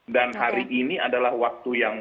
dan hari ini adalah waktu yang